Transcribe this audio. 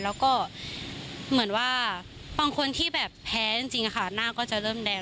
และเหมือนว่าบางคนแบบแพ้จริงน่าก็จะเริ่มแดง